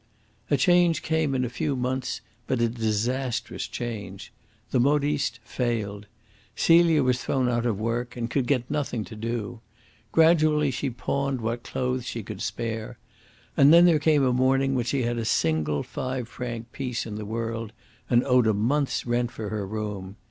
A change came in a few months, but a disastrous change. The modiste failed. Celia was thrown out of work, and could get nothing to do. Gradually she pawned what clothes she could spare; and then there came a morning when she had a single five franc piece in the world and owed a month's rent for her room.